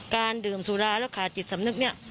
การดื่มสุราแล้วขาดจิตสำนึกเนี่ย